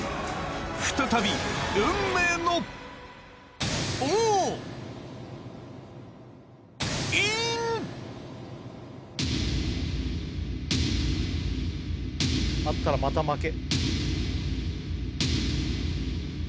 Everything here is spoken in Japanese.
再び運命のあったらまた負け。